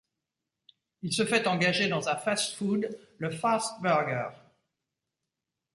Il se fait engager dans un fast food, le Fast Burger.